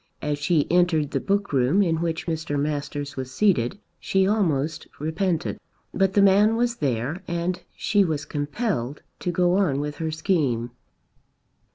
As she entered the book room in which Mr. Masters was seated she almost repented. But the man was there and she was compelled to go on with her scheme.